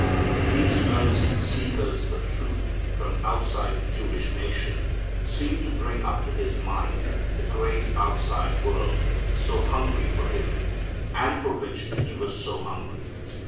These earnest seekers for truth, from outside the Jewish nation, seem to bring up to His mind the great outside world, so hungry for Him, and for which He was so hungry.